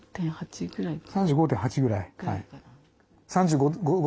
３５．８ぐらい。